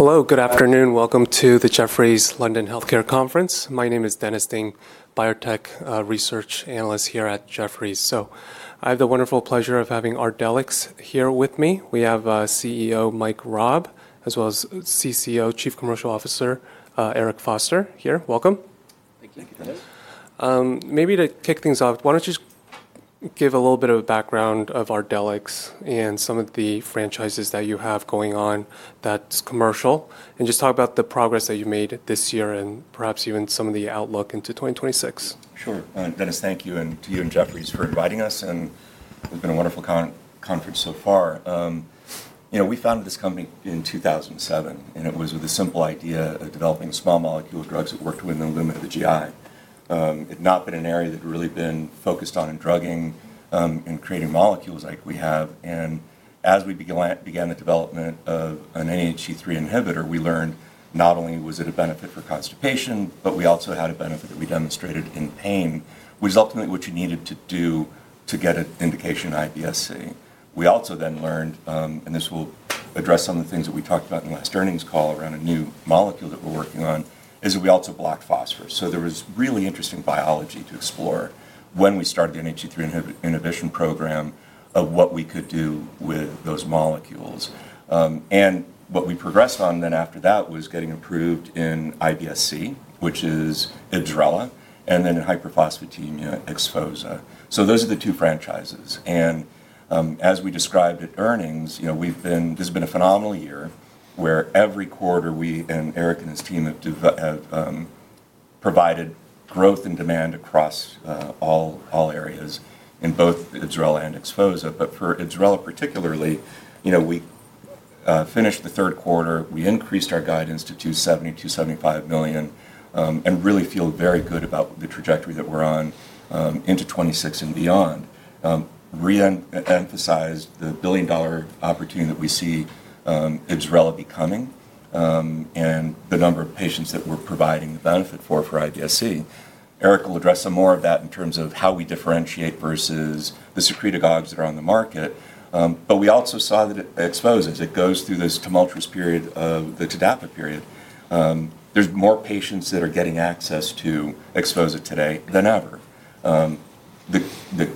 Hello, good afternoon. Welcome to the Jefferies London Healthcare Conference. My name is Dennis Ding, biotech research analyst here at Jefferies. I have the wonderful pleasure of having Ardelyx here with me. We have CEO Mike Raab, as well as Chief Commercial Officer Eric Foster here. Welcome. Thank you. Thank you, Dennis. Maybe to kick things off, why don't you give a little bit of background of Ardelyx and some of the franchises that you have going on that's commercial, and just talk about the progress that you made this year and perhaps even some of the outlook into 2026. Sure. Dennis, thank you, and to you and Jefferies for inviting us. It's been a wonderful conference so far. We founded this company in 2007, and it was with the simple idea of developing small molecule drugs that worked within the lumen of the GI. It had not been an area that had really been focused on in drugging and creating molecules like we have. As we began the development of an NHE3 inhibitor, we learned not only was it a benefit for constipation, but we also had a benefit that we demonstrated in pain, which is ultimately what you needed to do to get an indication in IBS-C. We also then learned, and this will address some of the things that we talked about in last earnings call around a new molecule that we're working on, is that we also block phosphorus. There was really interesting biology to explore when we started the NHE3 inhibition program of what we could do with those molecules. What we progressed on then after that was getting approved in IBS-C, which is IBSRELA, and then in hyperphosphatemia, XPHOZAH. Those are the two franchises. As we described at earnings, this has been a phenomenal year where every quarter we, and Eric and his team, have provided growth and demand across all areas in both IBSRELA and XPHOZAH. For IBSRELA particularly, we finished the third quarter, we increased our guidance to $270,000,000-$275,000,000, and really feel very good about the trajectory that we're on into 2026 and beyond. Re-emphasized the billion-dollar opportunity that we see IBSRELA becoming and the number of patients that we're providing the benefit for for IBS-C. Eric will address some more of that in terms of how we differentiate versus the secretagogues that are on the market. We also saw that XPHOZAH, it goes through this tumultuous period of the TDAPA period. There are more patients that are getting access to XPHOZAH today than ever. The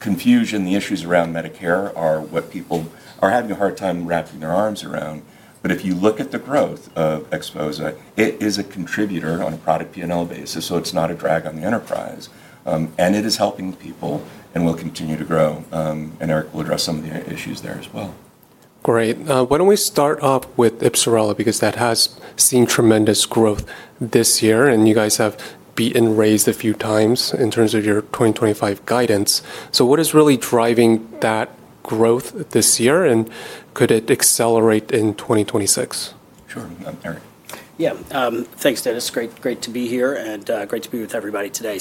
confusion, the issues around Medicare are what people are having a hard time wrapping their arms around. If you look at the growth of XPHOZAH, it is a contributor on a product P&L basis, so it is not a drag on the enterprise. It is helping people and will continue to grow. Eric will address some of the issues there as well. Great. Why don't we start off with IBSRELA because that has seen tremendous growth this year, and you guys have been raised a few times in terms of your 2025 guidance. What is really driving that growth this year, and could it accelerate in 2026? Sure. Eric. Yeah. Thanks, Dennis. Great to be here and great to be with everybody today.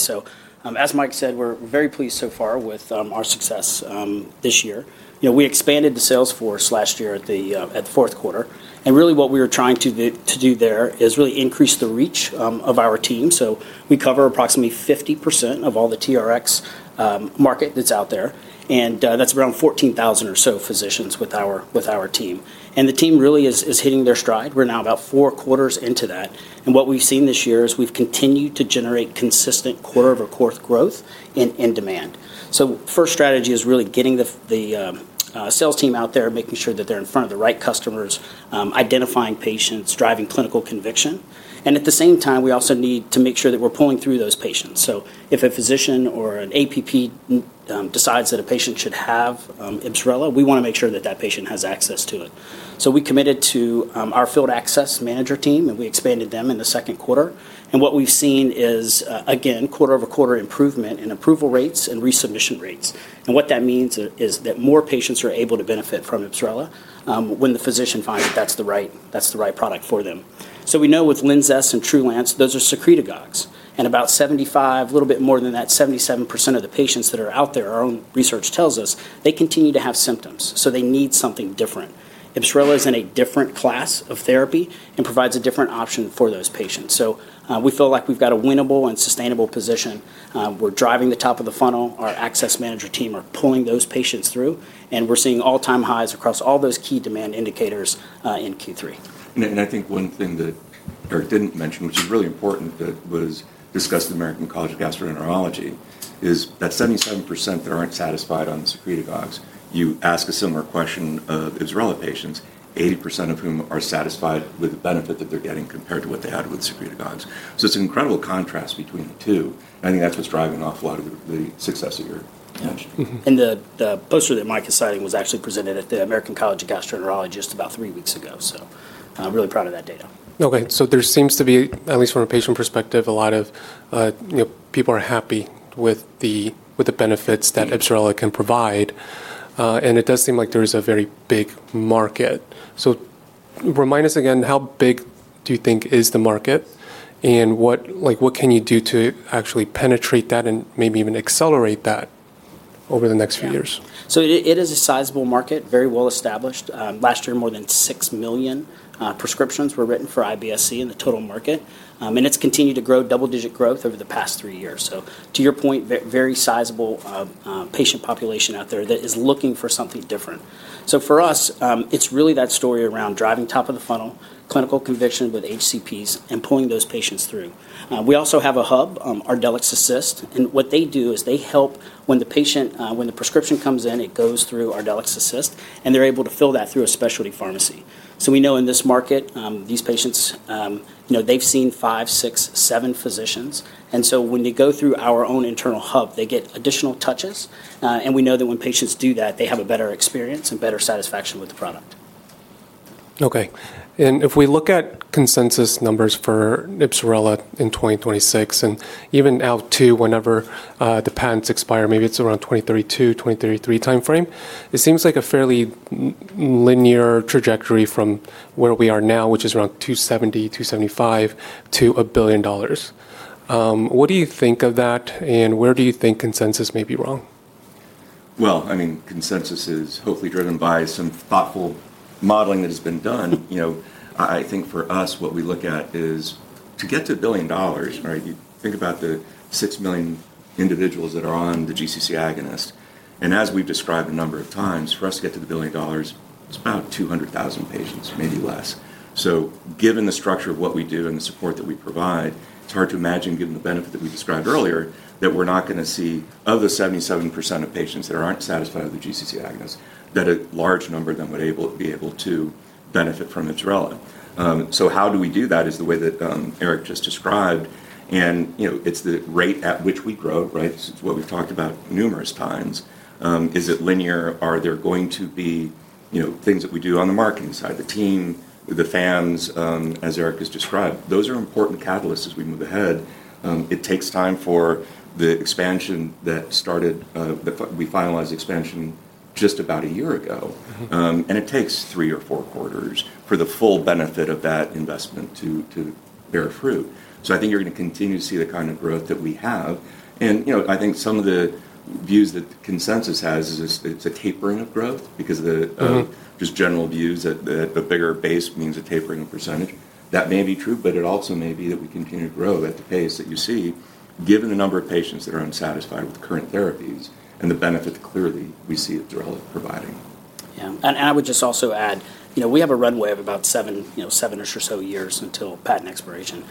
As Mike said, we're very pleased so far with our success this year. We expanded the sales force last year at the fourth quarter. What we were trying to do there is really increase the reach of our team. We cover approximately 50% of all the TRX market that's out there. That's around 14,000 or so physicians with our team. The team really is hitting their stride. We're now about four quarters into that. What we've seen this year is we've continued to generate consistent quarter-over-quarter growth in demand. First strategy is really getting the sales team out there, making sure that they're in front of the right customers, identifying patients, driving clinical conviction. At the same time, we also need to make sure that we're pulling through those patients. If a physician or an APP decides that a patient should have IBSRELA, we want to make sure that that patient has access to it. We committed to our field access manager team, and we expanded them in the second quarter. What we've seen is, again, quarter-over-quarter improvement in approval rates and resubmission rates. What that means is that more patients are able to benefit from IBSRELA when the physician finds that that's the right product for them. We know with Linzess and Trulance, those are secretagogues. About 75, a little bit more than that, 77% of the patients that are out there, our own research tells us, they continue to have symptoms. They need something different. IBSRELA is in a different class of therapy and provides a different option for those patients. We feel like we've got a winnable and sustainable position. We're driving the top of the funnel. Our access manager team are pulling those patients through. We're seeing all-time highs across all those key demand indicators in Q3. I think one thing that Eric did not mention, which is really important that was discussed at the American College of Gastroenterology, is that 77% that are not satisfied on the secretagogues. You ask a similar question of IBSRELA patients, 80% of whom are satisfied with the benefit that they are getting compared to what they had with secretagogues. It is an incredible contrast between the two. I think that is what is driving off a lot of the success of your industry. The poster that Mike is citing was actually presented at the American College of Gastroenterology just about three weeks ago. I'm really proud of that data. Okay. There seems to be, at least from a patient perspective, a lot of people are happy with the benefits that IBSRELA can provide. It does seem like there is a very big market. Remind us again, how big do you think is the market? What can you do to actually penetrate that and maybe even accelerate that over the next few years? It is a sizable market, very well established. Last year, more than 6 million prescriptions were written for IBS-C in the total market. It has continued to grow, double-digit growth over the past three years. To your point, very sizable patient population out there that is looking for something different. For us, it is really that story around driving top of the funnel, clinical conviction with HCPs, and pulling those patients through. We also have a hub, Ardelyx Assist. What they do is they help when the patient, when the prescription comes in, it goes through Ardelyx Assist, and they are able to fill that through a specialty pharmacy. We know in this market, these patients, they have seen five, six, seven physicians. When they go through our own internal hub, they get additional touches. We know that when patients do that, they have a better experience and better satisfaction with the product. Okay. If we look at consensus numbers for IBSRELA in 2026, and even now too, whenever the patents expire, maybe it's around 2032, 2033 timeframe, it seems like a fairly linear trajectory from where we are now, which is around $270,000,000-$275,000,000 to $1 billion. What do you think of that, and where do you think consensus may be wrong? I mean, consensus is hopefully driven by some thoughtful modeling that has been done. I think for us, what we look at is to get to $1 billion, right? You think about the 6 million individuals that are on the GCC agonist. As we've described a number of times, for us to get to the $1 billion, it's about 200,000 patients, maybe less. Given the structure of what we do and the support that we provide, it's hard to imagine, given the benefit that we described earlier, that we're not going to see of the 77% of patients that aren't satisfied with the GCC agonist, that a large number of them would be able to benefit from IBSRELA. How do we do that is the way that Eric just described. It's the rate at which we grow, right? It's what we've talked about numerous times. Is it linear? Are there going to be things that we do on the marketing side, the team, the fans, as Eric has described? Those are important catalysts as we move ahead. It takes time for the expansion that started that we finalized expansion just about a year ago. It takes three or four quarters for the full benefit of that investment to bear fruit. I think you're going to continue to see the kind of growth that we have. I think some of the views that consensus has is it's a tapering of growth because of the just general views that the bigger base means a tapering of percentage. That may be true, but it also may be that we continue to grow at the pace that you see, given the number of patients that are unsatisfied with current therapies and the benefit that clearly we see IBSRELA providing. Yeah. I would just also add, we have a runway of about seven-ish or so years until patent expiration.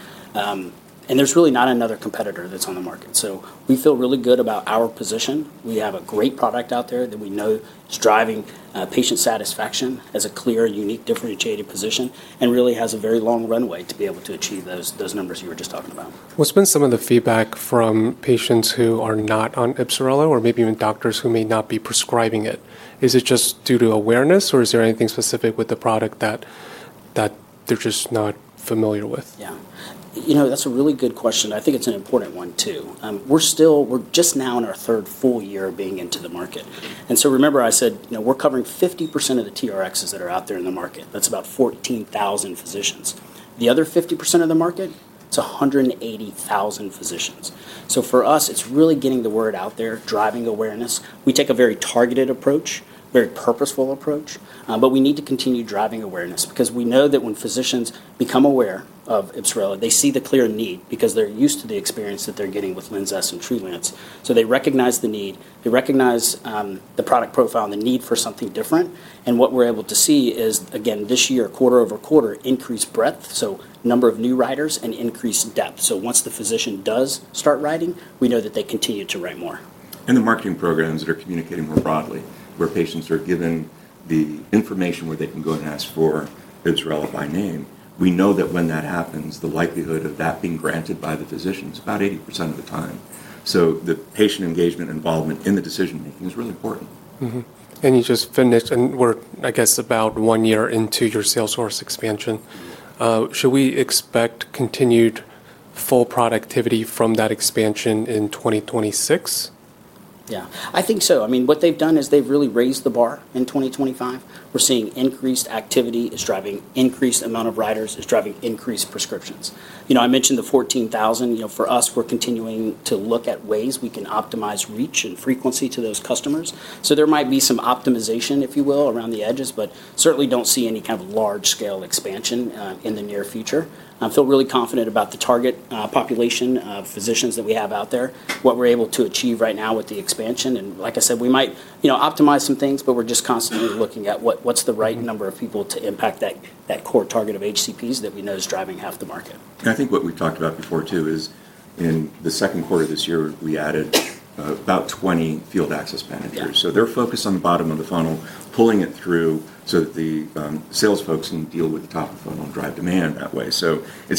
There is really not another competitor that is on the market. We feel really good about our position. We have a great product out there that we know is driving patient satisfaction as a clear, unique, differentiated position and really has a very long runway to be able to achieve those numbers you were just talking about. What's been some of the feedback from patients who are not on IBSRELA or maybe even doctors who may not be prescribing it? Is it just due to awareness, or is there anything specific with the product that they're just not familiar with? Yeah. You know, that's a really good question. I think it's an important one too. We're just now in our third full year of being into the market. Remember I said we're covering 50% of the TRXs that are out there in the market. That's about 14,000 physicians. The other 50% of the market, it's 180,000 physicians. For us, it's really getting the word out there, driving awareness. We take a very targeted approach, very purposeful approach, but we need to continue driving awareness because we know that when physicians become aware of IBSRELA, they see the clear need because they're used to the experience that they're getting with Linzess and Trulance. They recognize the need. They recognize the product profile and the need for something different. What we're able to see is, again, this year, quarter over quarter, increased breadth, so number of new writers, and increased depth. Once the physician does start writing, we know that they continue to write more. The marketing programs that are communicating more broadly, where patients are given the information where they can go and ask for IBSRELA by name, we know that when that happens, the likelihood of that being granted by the physician is about 80% of the time. The patient engagement involvement in the decision-making is really important. You just finished, and we're, I guess, about one year into your sales force expansion. Should we expect continued full productivity from that expansion in 2026? Yeah, I think so. I mean, what they've done is they've really raised the bar in 2025. We're seeing increased activity is driving increased amount of riders, is driving increased prescriptions. I mentioned the 14,000. For us, we're continuing to look at ways we can optimize reach and frequency to those customers. There might be some optimization, if you will, around the edges, but certainly don't see any kind of large-scale expansion in the near future. I feel really confident about the target population of physicians that we have out there, what we're able to achieve right now with the expansion. Like I said, we might optimize some things, but we're just constantly looking at what's the right number of people to impact that core target of HCPs that we know is driving half the market. I think what we talked about before too is in the second quarter of this year, we added about 20 field access managers. They're focused on the bottom of the funnel, pulling it through so that the sales folks can deal with the top of the funnel and drive demand that way. It's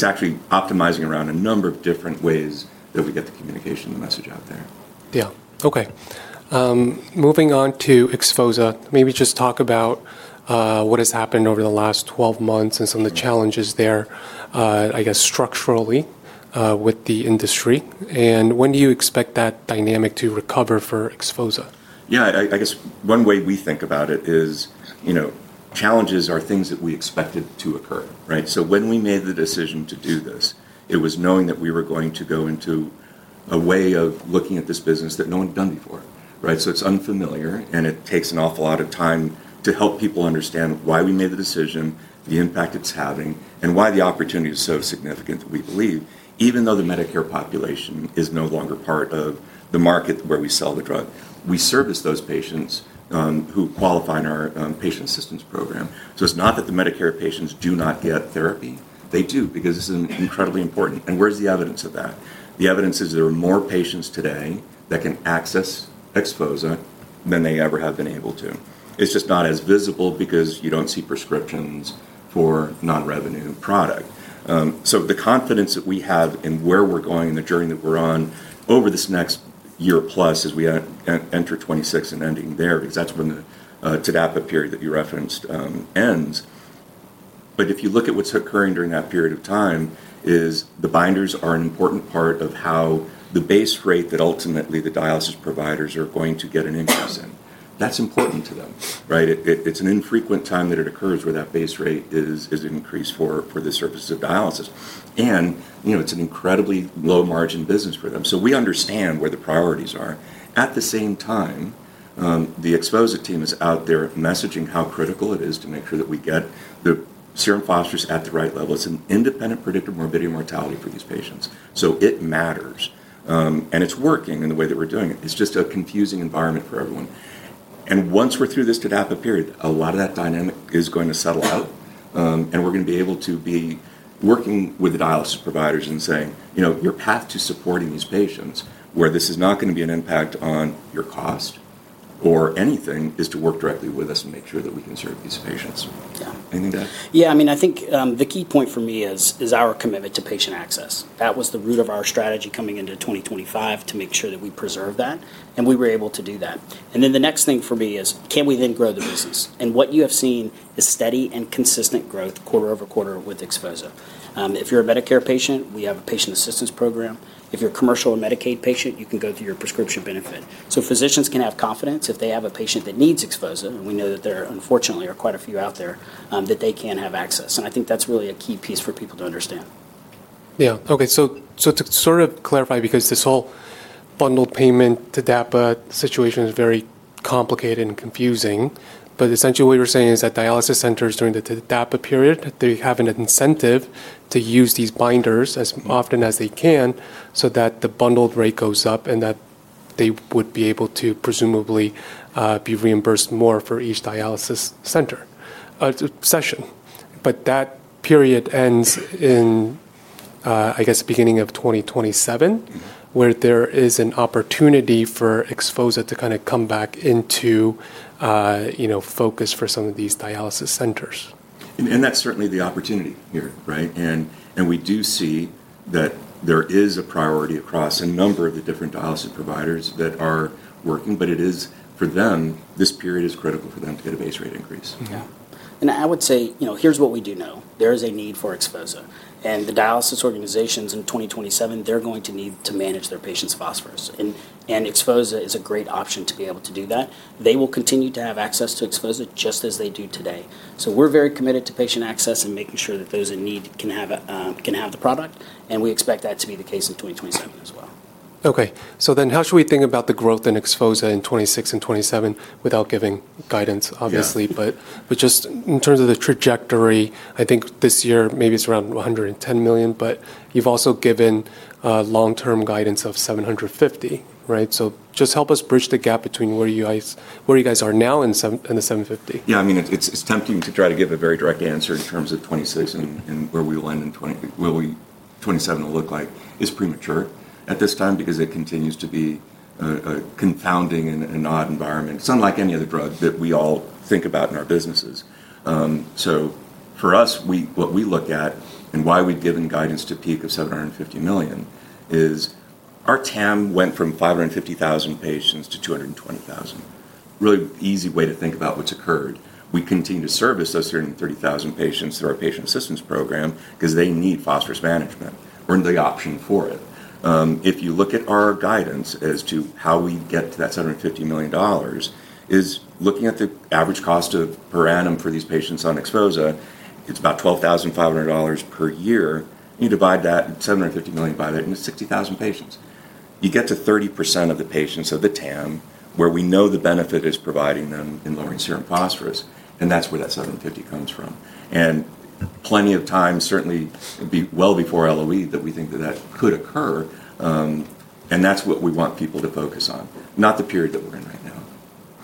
actually optimizing around a number of different ways that we get the communication and the message out there. Yeah. Okay. Moving on to XPHOZAH, maybe just talk about what has happened over the last 12 months and some of the challenges there, I guess, structurally with the industry. When do you expect that dynamic to recover for XPHOZAH? Yeah, I guess one way we think about it is challenges are things that we expected to occur, right? When we made the decision to do this, it was knowing that we were going to go into a way of looking at this business that no one had done before, right? It is unfamiliar, and it takes an awful lot of time to help people understand why we made the decision, the impact it is having, and why the opportunity is so significant that we believe, even though the Medicare population is no longer part of the market where we sell the drug, we service those patients who qualify in our patient assistance program. It is not that the Medicare patients do not get therapy. They do because this is incredibly important. Where is the evidence of that? The evidence is there are more patients today that can access XPHOZAH than they ever have been able to. It's just not as visible because you don't see prescriptions for non-revenue product. The confidence that we have in where we're going and the journey that we're on over this next year plus as we enter 2026 and ending there because that's when the TDAPA period that you referenced ends. If you look at what's occurring during that period of time, the binders are an important part of how the base rate that ultimately the dialysis providers are going to get an interest in. That's important to them, right? It's an infrequent time that it occurs where that base rate is increased for the surface of dialysis. It's an incredibly low-margin business for them. We understand where the priorities are. At the same time, the XPHOZAH team is out there messaging how critical it is to make sure that we get the serum phosphorus at the right level. It's an independent predictor of morbidity and mortality for these patients. It matters. It's working in the way that we're doing it. It's just a confusing environment for everyone. Once we're through this TDAPA period, a lot of that dynamic is going to settle out. We're going to be able to be working with the dialysis providers and saying, "Your path to supporting these patients, where this is not going to be an impact on your cost or anything, is to work directly with us and make sure that we can serve these patients." Yeah. Anything to add? Yeah. I mean, I think the key point for me is our commitment to patient access. That was the root of our strategy coming into 2025 to make sure that we preserve that. We were able to do that. The next thing for me is, can we then grow the business? What you have seen is steady and consistent growth quarter over quarter with XPHOZAH. If you're a Medicare patient, we have a patient assistance program. If you're a commercial and Medicaid patient, you can go through your prescription benefit. Physicians can have confidence if they have a patient that needs XPHOZAH, and we know that there, unfortunately, are quite a few out there that they can have access. I think that's really a key piece for people to understand. Yeah. Okay. To sort of clarify, because this whole bundled payment TDAPA situation is very complicated and confusing, but essentially what you're saying is that dialysis centers during the TDAPA period, they have an incentive to use these binders as often as they can so that the bundled rate goes up and that they would be able to presumably be reimbursed more for each dialysis center session. That period ends in, I guess, beginning of 2027, where there is an opportunity for XPHOZAH to kind of come back into focus for some of these dialysis centers. That is certainly the opportunity here, right? We do see that there is a priority across a number of the different dialysis providers that are working, but it is for them, this period is critical for them to get a base rate increase. Yeah. I would say, here's what we do know. There is a need for XPHOZAH. The dialysis organizations in 2027, they're going to need to manage their patients' phosphorus. XPHOZAH is a great option to be able to do that. They will continue to have access to XPHOZAH just as they do today. We are very committed to patient access and making sure that those in need can have the product. We expect that to be the case in 2027 as well. Okay. So then how should we think about the growth in XPHOZAH in 2026 and 2027 without giving guidance, obviously? Just in terms of the trajectory, I think this year, maybe it's around $110 million, but you've also given long-term guidance of $750 million, right? Just help us bridge the gap between where you guys are now and the $750 million. Yeah. I mean, it's tempting to try to give a very direct answer in terms of 2026 and where we will end in 2027. Will 2027 look like is premature at this time because it continues to be a confounding and odd environment. It's unlike any other drug that we all think about in our businesses. For us, what we look at and why we've given guidance to peak of $750 million is our TAM went from 550,000 patients to 220,000. Really easy way to think about what's occurred. We continue to service those 330,000 patients through our patient assistance program because they need phosphorus management. We're the option for it. If you look at our guidance as to how we get to that $750 million, looking at the average cost per annum for these patients on XPHOZAH, it's about $12,500 per year. You divide that $750 million by that, and it's 60,000 patients. You get to 30% of the patients of the TAM where we know the benefit is providing them in lowering serum phosphorus. That's where that $750 million comes from. Plenty of time, certainly well before LOE, that we think that that could occur. That's what we want people to focus on, not the period that we're in right now.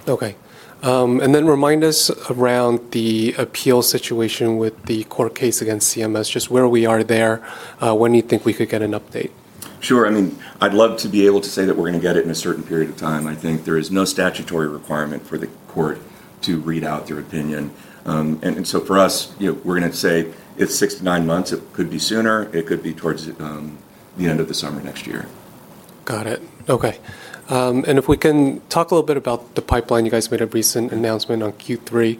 Okay. Remind us around the appeal situation with the court case against CMS, just where we are there. When do you think we could get an update? Sure. I mean, I'd love to be able to say that we're going to get it in a certain period of time. I think there is no statutory requirement for the court to read out their opinion. And so for us, we're going to say it's sixnine months. It could be sooner. It could be towards the end of the summer next year. Got it. Okay. If we can talk a little bit about the pipeline. You guys made a recent announcement on Q3.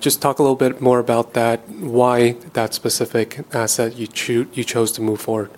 Just talk a little bit more about that, why that specific asset you chose to move forward.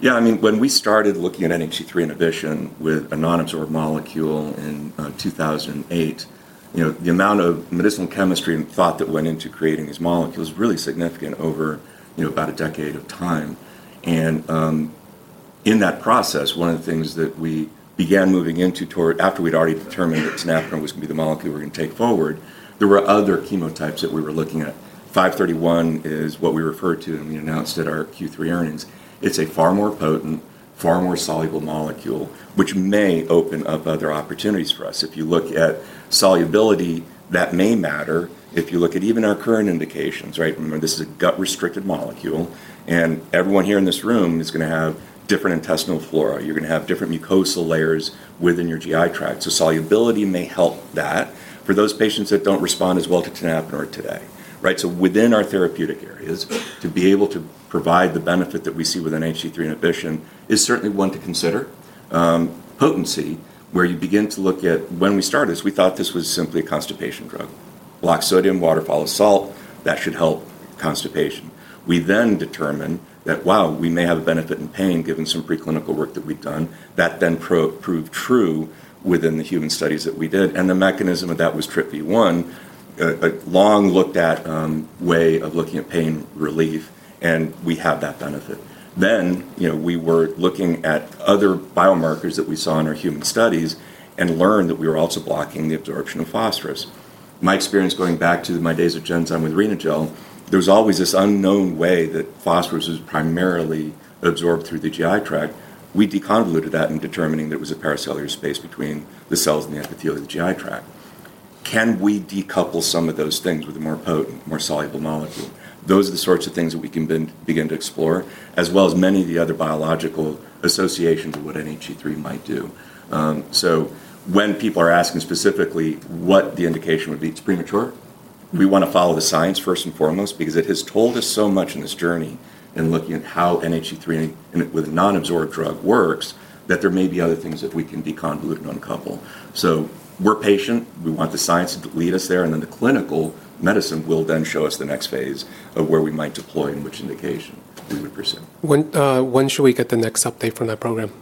Yeah. I mean, when we started looking at NHE3 inhibition with a non-absorbed molecule in 2008, the amount of medicinal chemistry and thought that went into creating these molecules is really significant over about a decade of time. In that process, one of the things that we began moving into after we'd already determined that tenapanor was going to be the molecule we were going to take forward, there were other chemotypes that we were looking at. 531 is what we referred to when we announced at our Q3 earnings. It's a far more potent, far more soluble molecule, which may open up other opportunities for us. If you look at solubility, that may matter. If you look at even our current indications, right? This is a gut-restricted molecule. Everyone here in this room is going to have different intestinal flora. You're going to have different mucosal layers within your GI tract. Solubility may help that for those patients that don't respond as well to Tanafenor today, right? Within our therapeutic areas, to be able to provide the benefit that we see with NHE3 inhibition is certainly one to consider. Potency, where you begin to look at when we started this, we thought this was simply a constipation drug. Block sodium, waterfall of salt. That should help constipation. We then determined that, wow, we may have a benefit in pain given some preclinical work that we've done. That then proved true within the human studies that we did. The mechanism of that was TRPV1, a long-looked-at way of looking at pain relief. We have that benefit. We were looking at other biomarkers that we saw in our human studies and learned that we were also blocking the absorption of phosphorus. My experience going back to my days at Genzyme with Renagel, there was always this unknown way that phosphorus is primarily absorbed through the GI tract. We deconvoluted that in determining that it was a pericellular space between the cells and the epithelial of the GI tract. Can we decouple some of those things with a more potent, more soluble molecule? Those are the sorts of things that we can begin to explore, as well as many of the other biological associations of what NHE3 might do. When people are asking specifically what the indication would be, it's premature. We want to follow the science first and foremost because it has told us so much in this journey in looking at how NHE3 with a non-absorbed drug works that there may be other things that we can deconvolute and uncouple. We are patient. We want the science to lead us there. The clinical medicine will then show us the next phase of where we might deploy and which indication we would pursue. When should we get the next update from that program?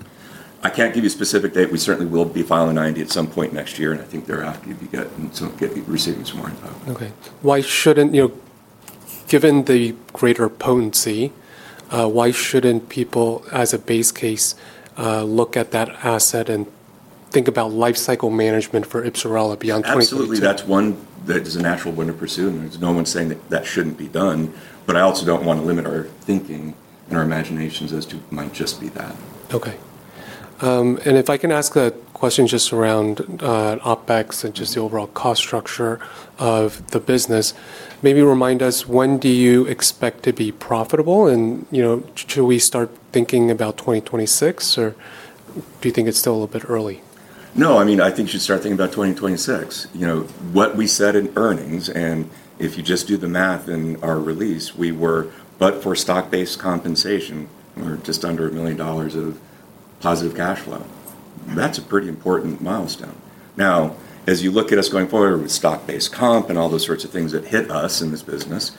I can't give you a specific date. We certainly will be filing an IND at some point next year. I think they're actively receiving some more info. Okay. Given the greater potency, why shouldn't people, as a base case, look at that asset and think about lifecycle management for IBSRELA beyond 2020? Absolutely. That is one that is a natural one to pursue. There is no one saying that that should not be done. I also do not want to limit our thinking and our imaginations as to what might just be that. Okay. If I can ask a question just around OpEx and just the overall cost structure of the business, maybe remind us, when do you expect to be profitable? Should we start thinking about 2026, or do you think it's still a little bit early? No. I mean, I think you should start thinking about 2026. What we said in earnings, and if you just do the math in our release, we were, but for stock-based compensation, we're just under $1 million of positive cash flow. That's a pretty important milestone. Now, as you look at us going forward with stock-based comp and all those sorts of things that hit us in this business,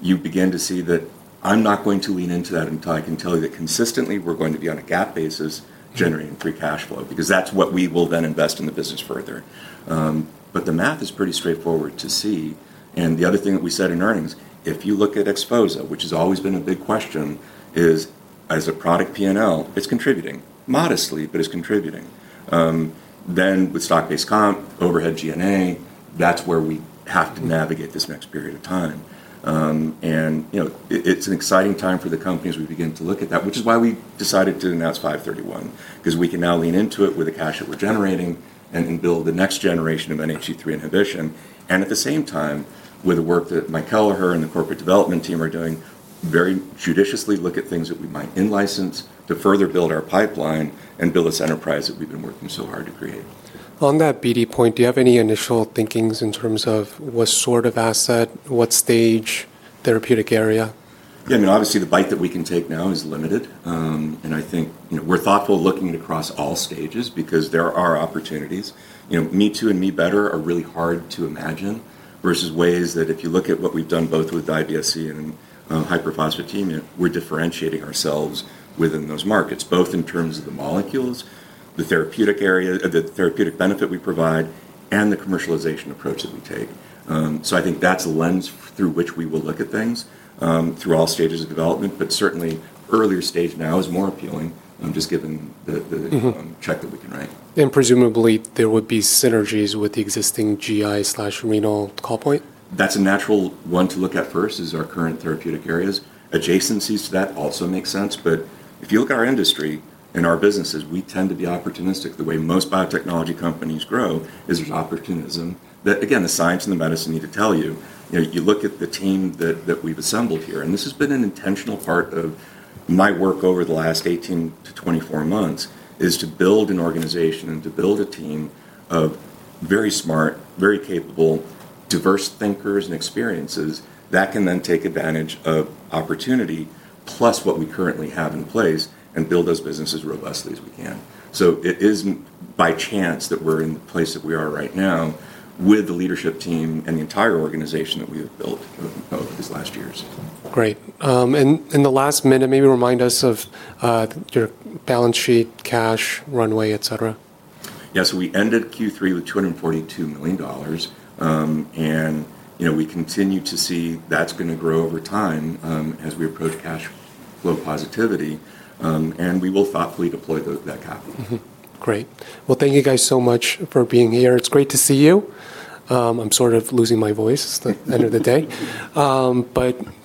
you begin to see that I'm not going to lean into that until I can tell you that consistently we're going to be on a GAAP basis generating free cash flow because that's what we will then invest in the business further. The math is pretty straightforward to see. The other thing that we said in earnings, if you look at XPHOZAH, which has always been a big question, is as a product P&L, it's contributing modestly, but it's contributing. With stock-based comp, overhead G&A, that's where we have to navigate this next period of time. It is an exciting time for the company as we begin to look at that, which is why we decided to announce 531 because we can now lean into it with the cash that we're generating and build the next generation of NHE3 inhibition. At the same time, with the work that Mike Kelleher and the corporate development team are doing, very judiciously look at things that we might in-license to further build our pipeline and build this enterprise that we've been working so hard to create. On that BD point, do you have any initial thinkings in terms of what sort of asset, what stage, therapeutic area? Yeah. I mean, obviously, the bite that we can take now is limited. I think we're thoughtful looking across all stages because there are opportunities. Me Too and Me Better are really hard to imagine versus ways that if you look at what we've done both with IBS-C and hyperphosphatemia, we're differentiating ourselves within those markets, both in terms of the molecules, the therapeutic area, the therapeutic benefit we provide, and the commercialization approach that we take. I think that's a lens through which we will look at things through all stages of development. Certainly, earlier stage now is more appealing just given the check that we can rank. Presumably, there would be synergies with the existing GI/renal call point? That's a natural one to look at first is our current therapeutic areas. Adjacencies to that also make sense. If you look at our industry and our businesses, we tend to be opportunistic. The way most biotechnology companies grow is there's opportunism that, again, the science and the medicine need to tell you. You look at the team that we've assembled here. This has been an intentional part of my work over the last 18-24 months is to build an organization and to build a team of very smart, very capable, diverse thinkers and experiences that can then take advantage of opportunity plus what we currently have in place and build those businesses robustly as we can. It is by chance that we're in the place that we are right now with the leadership team and the entire organization that we have built over these last years. Great. In the last minute, maybe remind us of your balance sheet, cash, runway, etc. Yeah. We ended Q3 with $242 million. We continue to see that's going to grow over time as we approach cash flow positivity. We will thoughtfully deploy that cap. Great. Thank you guys so much for being here. It's great to see you. I'm sort of losing my voice at the end of the day.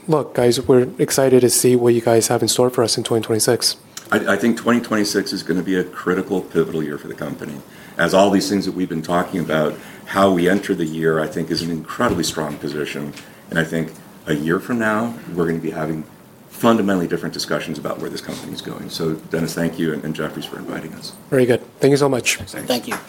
Look, guys, we're excited to see what you guys have in store for us in 2026. I think 2026 is going to be a critical pivotal year for the company. As all these things that we've been talking about, how we enter the year, I think, is an incredibly strong position. I think a year from now, we're going to be having fundamentally different discussions about where this company is going. Dennis, thank you, and Jefferies for inviting us. Very good. Thank you so much. Thanks.